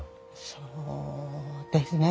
そうですね。